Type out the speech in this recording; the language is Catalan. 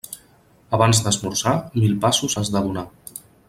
Abans d'esmorzar, mil passos has de donar.